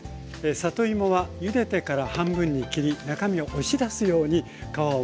里芋はゆでてから半分に切り中身を押し出すように皮をむきました。